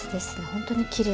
本当にきれい。